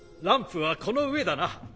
ランプはこの上だな。